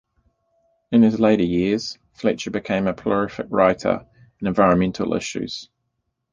In his later years, Fletcher became a prolific writer on environmental issues.